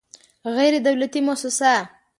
غیر دولتي موسسه